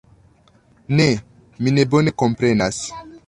Ne, mi ne bone komprenas.